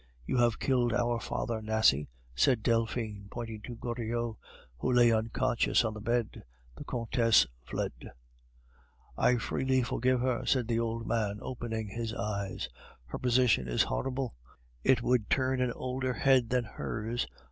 "You have killed our father, Nasie!" said Delphine, pointing to Goriot, who lay unconscious on the bed. The Countess fled. "I freely forgive her," said the old man, opening his eyes; "her position is horrible; it would turn an older head than hers.